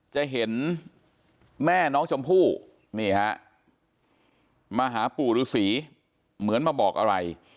จะเห็นแม่น้องชมพู่นี่ฮะมาหาปู่ฤษีเหมือนมาบอกอะไร